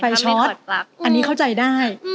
ช็อตอันนี้เข้าใจได้